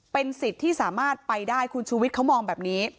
เป็นสิทธิ์ที่สามารถไปได้คุณชูวิทย์เขามองแบบนี้